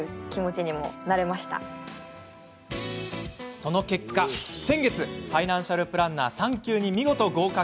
その結果、先月ファイナンシャルプランナー３級に見事合格。